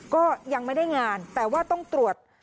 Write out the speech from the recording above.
ก็ยังไม่ได้งานแต่ว่าต้องตรวจ